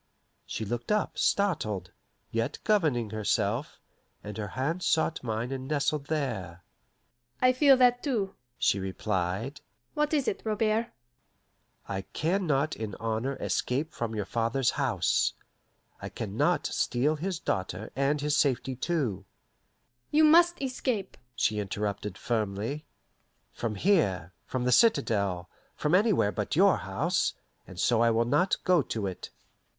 She looked up, startled, yet governing herself, and her hand sought mine and nestled there. "I feel that, too," she replied. "What is it, Robert?" "I can not in honour escape from your father's house. I can not steal his daughter and his safety too " "You must escape," she interrupted firmly. "From here, from the citadel, from anywhere but your house; and so I will not go to it."